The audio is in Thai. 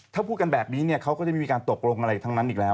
ถ้าพูดกันแบบนี้เนี่ยเขาก็จะไม่มีการตกลงอะไรทั้งนั้นอีกแล้ว